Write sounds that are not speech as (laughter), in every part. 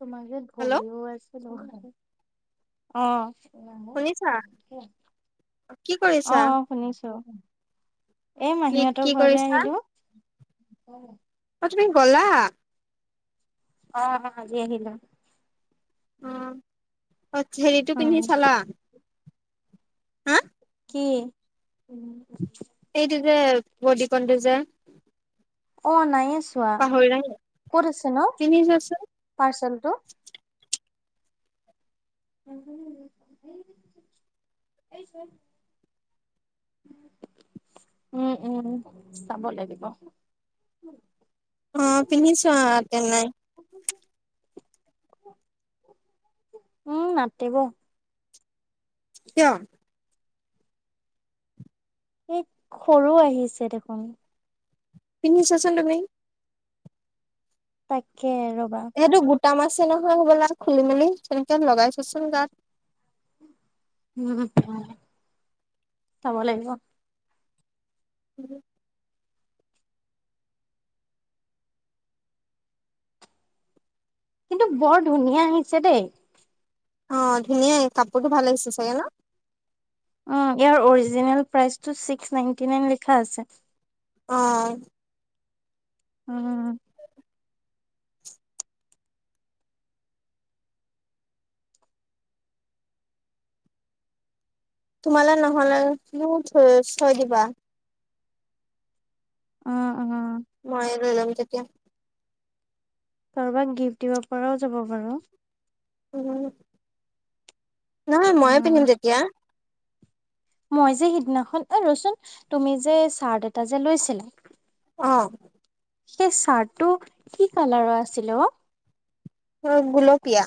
তোমাৰ হেল্ল' ভৰিও আছে (unintelligible) শুনিছা অ। কি কৰিছা অ শুনিছো। এ কি কি মাহীহঁতৰ ঘৰলে কৰিছা আহিলো। এ তুমি গ'লা? অ অ আজি আহিলো। অ আচ্ছা হেৰিটো উম, পিন্ধি চালা? হা? কি? এইটো যে বডিকনটো যে। অ নায়ে চোৱা, পাহৰিলা নি? ক'ত আছে নো পিন্ধি চোৱাচোন পাৰ্চেলটো? (unintelligible) উম উম চাব লাগিব। অ পিন্ধি ছোৱা তেনে। উম নাটিব। কিয়? এই সৰু আহিছে দেখোন। পিন্ধি ছোৱা চোন‌ তুমি। তাকে ৰবা। তাম আছে নহয় বলা খুলি মেলি তেনেকে লগাই থোৱা চোন তাত। উম চাব লাগিব। উম। কিন্তু বৰ ধুনীয়া আহি হৈছে দেই। অ ধুনীয়াই কাপোৰটো ভাল আহিছে চাগে ন। ইয়াৰ অৰিজিনেলস প্ৰাইচইটো ছিক্স নাইনটি নাইন লিখা আছে। অ, উম। তোমাল নহ'লে নো থৈ দিবা। উম উম। মই ৰৈ যাম তেতিয়া? কাৰোবাক গিফ্ট দিব পৰাও যাব বাৰু উ, নহয় ময়ে পিন্ধিম অ', তেতিয়া। মই যে সিদিনাখন ৰচোন তুমি যে চাৰ্ট এটা যে লৈছিলা। আহ। সেই চাৰ্টটো কি কালাৰৰ আছিলে অ'? অ' গুলোপিয়া।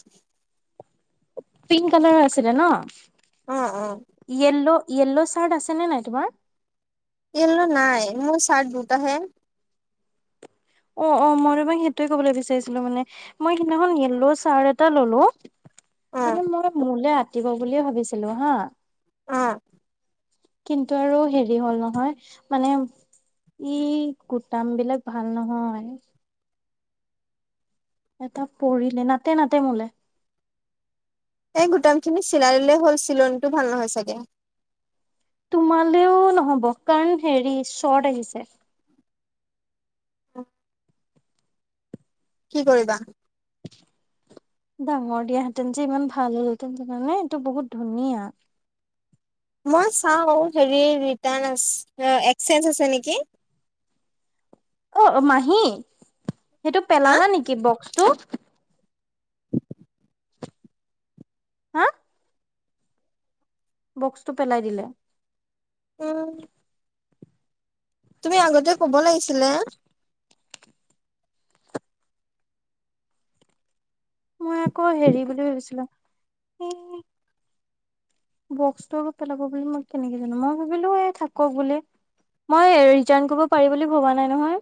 পিংক কালাৰ আছিলে ন অ অ ইয়েল্ল, য়েল্ল চাৰ্ট আছেনেে নাই তোমাৰ? য়েলো নাই মোৰ ছাট দুটা হে অ অ মই তোমাক সেইটোৱে কবলৈ বিচাৰিছিলোঁ মানে মই সেইদিনাখন য়েল্ল চাট এটা ললোঁ। অ মানে মই মোলে আঁতিব বুলিয়ে ভাবিছিলোঁ হা। আহ। কিন্তু আৰু হেৰি হ'ল নহয় মানে ই কুটাম বিলাক ভাল নহয়। এটা পৰিলে, নাতে নাতে মোলে। এই গোটাম খিনি চিলাই লিলে হ'ল চিলনীটো ভাল নহয় চাগে। তোমালেও নহব কাৰণ হেৰি শৰ্ট আহিছে। কি কৰিবা? (inaudible) ডাঙৰ দিয়াহেতেন যে ইমান ভাল হ'লহঁতেন কাৰণে এইটো বহুত ধুনীয়া। মই চাও হেৰি ৰিটাৰ্ণ আছে একচেঞ্জ আছে নেকি। (inaudible) অ' মাহী, সেইটো হা পেলালা নেকি বক্সটো। হা? বক্সটো পেলাই দিলে। উম। তুমি আগতে কব লাগিছিলে। মই আকৌ হেৰি বুলি ভাবিছিলো, এ বক্সটোৰো পেলাব বুলি মই কেনেকে জানো মই ভাবিলো এ থাকো বোলে। মই ৰিটাৰ্ণ কৰিব পাৰি বুলি ভবা নাই নহয়।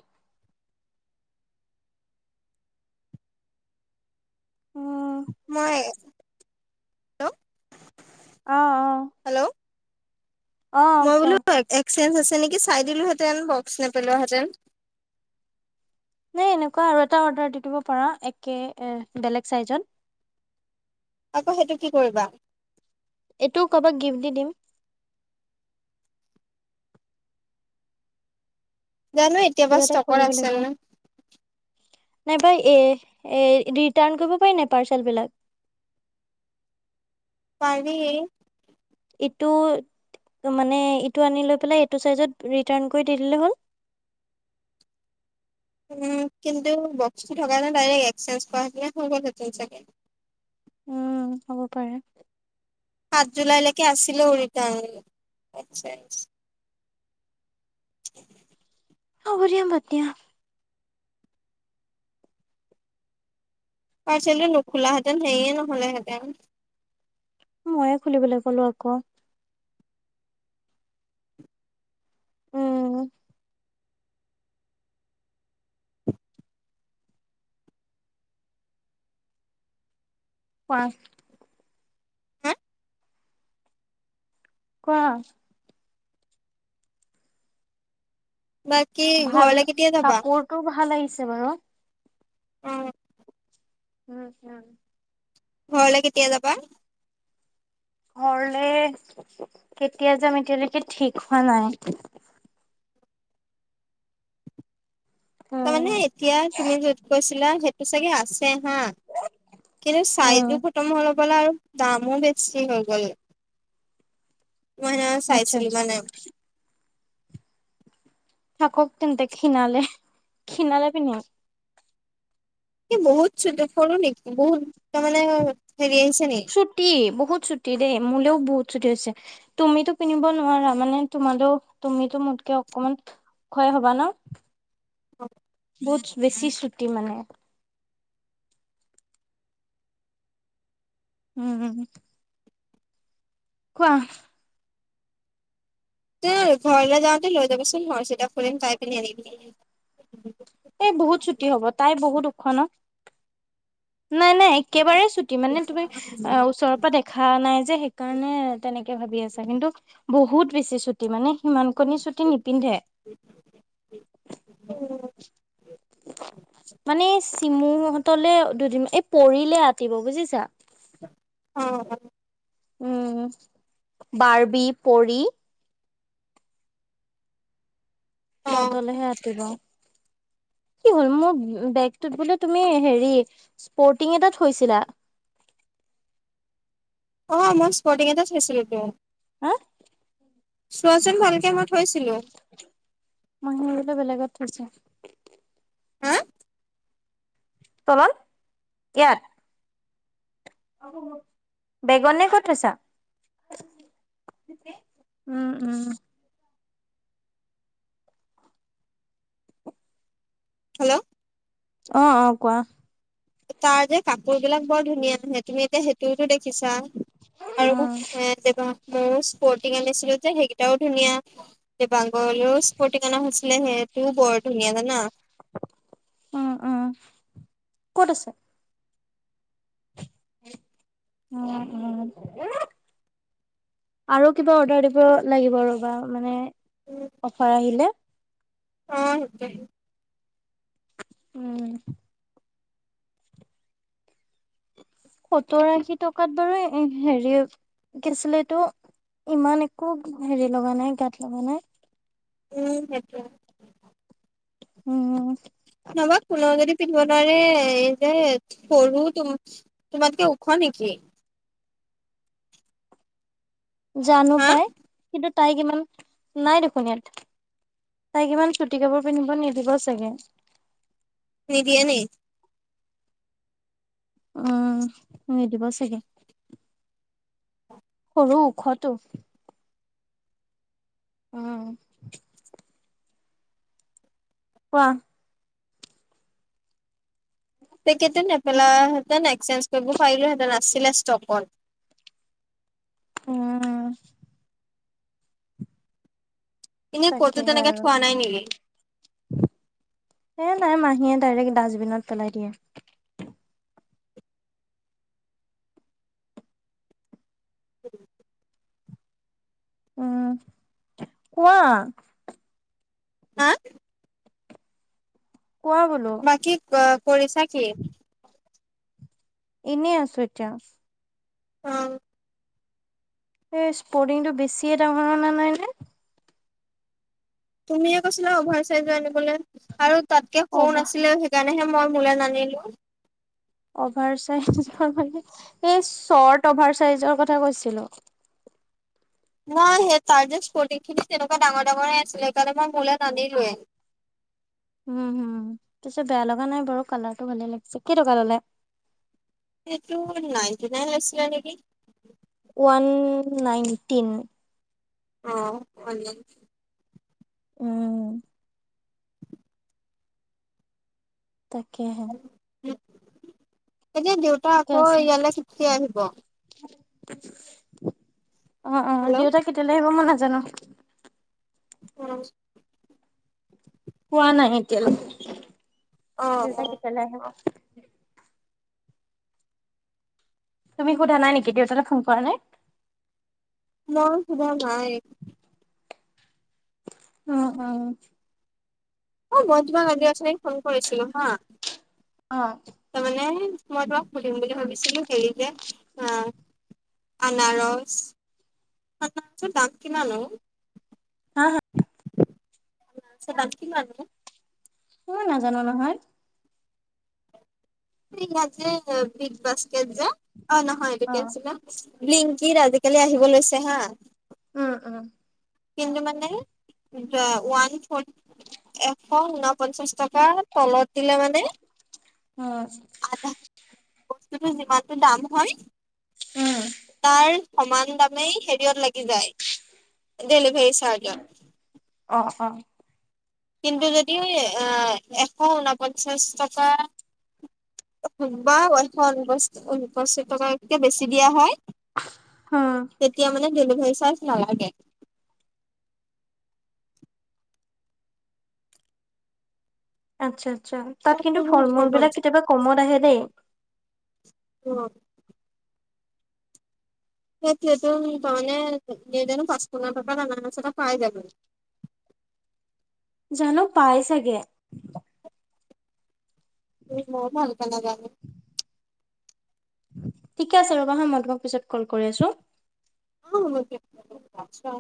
উম মই হেল্ল' আহ অ'। হেল্ল', অ অ মই কোৱা বোলো এক্সেঞ্জ আছে নেকি চাই দিলোহেতেন বক্স নেপেলোৱা হেঁতেন। নাই এনেকোৱাই আৰু এটা অৰ্ডাৰ দি দিব পাৰা একে বেলেগ চাইজট। আকৌ সেইটো কি কৰিবা? এইটোও কৰবাক গিফ্ট দি দিম। জানো এতিয়াবা কিবা এটা ষ্টকৰ কৰিব আছে ন? নাই পাই এ ৰিটাৰ্ণ কৰিব পাৰি নাই পাৰ্চেল বিলাক? (inaudible) পাৰি (unintelligible) এইটো টো মানে এইটো আনি লৈ পেলাই, এইটো চাইজত ৰিটাৰ্ণ কৰি দে দিলে হল। (inaudible) উ কিন্তু বক্সটো থকা নে ডাইৰেক্ট এক্সেঞ্জ (unintelligible) গ'লহেতেন (unintelligible) চেকেণ্ উম হব পাৰে। সাত জুলাইলৈকে আছিলো ৰিটাৰণ অ, (inaudible) অ' বঢ়িয়া, (unintelligible) পাৰ্চলীটো নোখোলা হেঁতেন সেয়ে নহলেহেঁতেন ময়েই খুলিবলৈ কলোঁ আকৌ। উম। পাৰফেক্ট। হা কোৱা। বাকী, ভাল ঘৰলৈ কেতিয়া যাবা? কাপোৰটো ভাল আহিছে বাৰু অ'। উম, উম। ঘৰলে কেতিয়া যাবা? ঘৰলে কেতিয়া যাম, এতিয়ালৈকে ঠিক হোৱা নাই। তাৰ মানে উম এতিয়া তুমি যত কৈছিলা সেইটো চাগে আছ হা কিন্তু উম চাইজো ফট (inaudible) বল আৰু দামো বেছি হৈ গ'ল। ম আচ্ছা আচ্ছা নাম (unintelligible) নাম। থাকক তেন্তে খীণালে খীণালে পিন্ধিম। এই বহুত (unintelligible) বহুত তাৰমানে (unintelligible) নি ছুটি বহুত ছুটি দেই। মোলেও বহুত ছুটি হৈছে। তুমিতো পিন্ধিব নোৱাৰা মানে তোমালেও তুমিতো মোতকে অকমান ওখই হ'বা ন'? বহুত বেছি ছুটি মানে। উম। কোৱা। এই ঘৰলৈ যাওঁতে লৈ যাবিচোন! হৰ্ষিতাক (unintelligible) তাই (unintelligible) আনিবি। এই বহুত ছুটি হ'ব! তাই বহুত ওখ ন'। নাই, নাই, একেবাৰে ছুটি মানে তুমি আহ! ওচৰৰ পৰা দেখা নাই যে সেইকাৰণে তেনেকে ভাবি আছা কিন্তু বহুত বেছি ছুটি! মানে সিমানকণি ছুটি নিপিন্ধে। (unintelligible) মানে চিমুহতলে দুদিন এই পৰিলে আতিব বুজিছা। অ উম বৰ্বি, পৰি অ তহতলৈহে আতিব। কি হ'ল মোৰ বেগটোত বোলে তুমি হেৰি স্পৰ্টিং এটা থৈছিলা? (inaudible) অ মই স্পৰ্টিং এটা থৈছিলোঁ টো। হা, চোৱাচোন ভালকে মই থৈছিলো? মই ভাবিলোঁ বেলেগত থৈছা। হা তলত ইয়াত বেগনে ক'ত থৈছা? উম উম হেল্ল' অঁ অঁ কোৱা তাৰ যে কাপোৰ বিলাক বৰ ধুনীয়াে তুমি এতিয়া সেইটোতো দেখিছা? আৰু উম এ যে মইও স্পৰ্টিং আনিছিলো যে সেইকেইটাও ধুনীয়া যে দীপাংকৰ স্পৰ্টিং কানা হৈছিলে সে তু বহুত ধুনীয়া জানা। উম উম ক'ত আছ? উম উম আৰু কিবা অৰ্ডাৰ দিব লাগিব মানে ৰবা অফাৰ আহিলে। অ' তাকে। উম'। সত্তৰ আশী টকাত বাৰু হেৰি কি আছিলে এইটো ইমান একো হেৰি লগা নাই গাত লগা নাই। উম' সেইটোৱেই। উম'। নহবা কোনেও যদি পিন্ধিব নাৱাৰে, এই যে সৰুটো তোমাতকে ওখ নেকি? জানো হা পাই, কিন্তু তাইক ইমান নাই দেখোন ইয়াত তাই ইমান চুটি কাপোৰ পিন্ধিব নিদিব চাগে। নিদিয়ে নি? উম, নিদিব চাগে। সৰু ওখটো। আহ। কোৱা। (unintelligible) চেঞ্চ কৰিব পাৰিলোঁ হেঁতেন আছিলে ষ্টকত। উম'। এনে ক'তো তাকেহে তেনেকে আৰু থোৱা নাই নেকি এ নাই মাহীয়ে ডাইৰেক্ট ডাষ্টবিনত পেলাই দিয়ে। (inaudible) উম কোৱা। আ কোৱা বোলো বাকী কৰিছা কি? এনেই আছো এতিয়া। অ', এই স্প্ৰদিংটো বেছিয়ে ডাঙৰ অনা নাই নে? তুমিয়ে কৈছিলা অভাৰ চাইজৰ আনিবলৈ আৰু তাতকে সৰু অভাৰ নাছিলে সেইকাৰণে। (inaudible) মই মোলে নানিলো। অভাৰ চাইজৰ মানে? এই চৰ্ট অভাৰ চাইজৰ কথা কৈছিলোঁ। (inaudible) মই সেই তাৰ যে স্পৰ্টিং খিনি তেনেকুৱা ডাঙৰ ডাঙৰে আছিল সেইকাৰণে মই মোলে নানি লোৱে। (inaudible) উম' হম! পিছে বেয়া লগা নাই বাৰু কালাৰটো ভালেই লাগিছে কেই টকা ল'লে? এইটো নাইন'টি নাইন লছিলে নেকি। ওৱান নাইনটিন অ', ওৱান নাইনটিন উম', তাকে হে এতিয়া দেউতা ঠিকে আকৌ আছে ইয়ালৈ কেতিয়া আহিব? অ', অ', হেল্ল' দেউতা কেতিয়ালৈ আহিব মই নাজানো। (inaudible) কোৱা নাই এতিয়ালকে দেউতা অ কেতিয়ালে আহিব? তুমি সোধা নাই নেকি? দেউতালে ফোন কৰা নাই? মই সুধা নাই অ', অ', অ', মই তোমাৰ আজি অথনি ফোন কৰিছিলোঁ হা। অ তাৰমানে মই তোমাক সুধিম বুলি ভাবিছিলোঁ দেৰিকে অ', আনাৰস আনাৰসৰ দাম কিমান অ',? হা হা আছে দাম কিমান অ', মই নাজানোঁ নহয়। ইয়াত যে বিগ বাস্কেট যে অ', নহয় এইটো অ কি আছিলে লিংকিৰ আজিকালি আহিব লৈছে হা। উম', উম'। কিন্তু মানে, ওৱান ফৰ এশ ঊনপঞ্চাশ টকা তলত দিলে মানে, উম আধা তুমি যিমানতো দাম হয়। উম তাৰ সমান দামেই হেৰিয়ত লাগি যায়। ডেলিভাৰী চাৰ্জত অ', অ', কিন্তু যদি এশ উনপঞ্চাশ টকা বা (inaudible) টকাতকে বেছি দিয়া হয়? উম তেতিয়া মানে ডেলিভাৰী চাৰ্ছ নালাগে। আচ্ছা, আচ্ছা তাত তাততো কিন্তু ফল বহুত মূল কম বিলাক কেতিয়াবা কমত আহে দেই। অহ'। সেইতোয়েটো কাৰণে দেউতাই পাঁচশ টকা আমাৰ পৰা পাই জনো। জানো, পাই চাগে। মই ভালকে নজনো। ঠিকে আছে ৰ'বা হা, মই তোমাক পিছত কল কৰি আছোঁ। আচ্ছা।